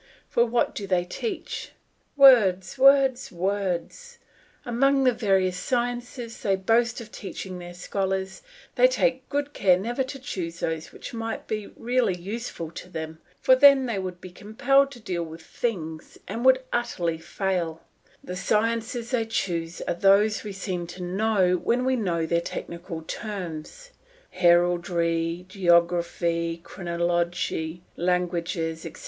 For what do they teach? Words! words! words! Among the various sciences they boast of teaching their scholars, they take good care never to choose those which might be really useful to them, for then they would be compelled to deal with things and would fail utterly; the sciences they choose are those we seem to know when we know their technical terms heraldry, geography, chronology, languages, etc.